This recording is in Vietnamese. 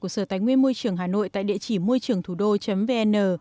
của sở tánh nguyên môi trường hà nội tại địa chỉ muôi trườngthủđô vn